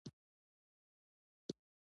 روسي متل وایي یو ځل لیدل له سل اورېدلو ښه دي.